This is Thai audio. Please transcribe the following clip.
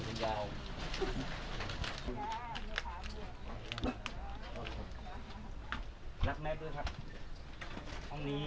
ลงทะเกิด